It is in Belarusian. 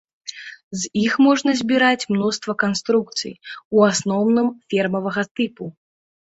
З іх можна збіраць мноства канструкцый, у асноўным фермавага тыпу.